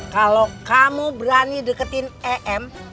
kalau kamu berani deketin em